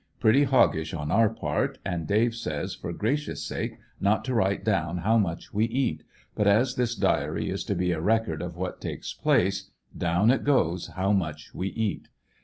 Pretty hoggish on our part, and Dave says for gracious sake not to write dow^n liow much we eat, but as this diary is to be a record of what takes place, down it goes how much we eat..